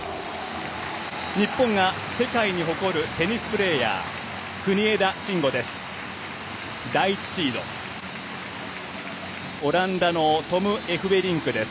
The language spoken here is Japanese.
日本が世界に誇るテニスプレーヤー国枝慎吾です。